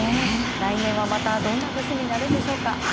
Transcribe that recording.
来年は、またどんな年になるんでしょうか。